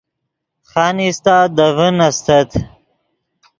خانیستہ دے ڤین استت